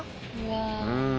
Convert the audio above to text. うわ！